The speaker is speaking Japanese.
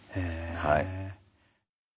はい。